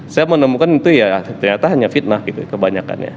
saya menemukan itu ya ternyata hanya fitnah gitu kebanyakannya